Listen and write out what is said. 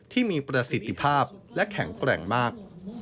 ที่มีประสิทธิภาพและแข็งแกร่งมาก